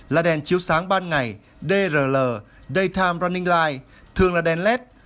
là đèn chiếu sáng ban ngày drl daytime running light thường là đèn led